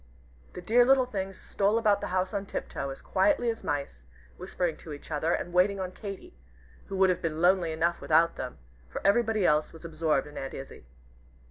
The dear little things stole about the house on tiptoe, as quietly as mice, whispering to each other, and waiting on Katy, who would have been lonely enough without them, for everybody else was absorbed in Aunt Izzie.